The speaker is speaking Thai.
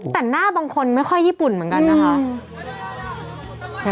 แต่หน้าบางคนไม่ค่อยญี่ปุ่นเหมือนกันนะคะ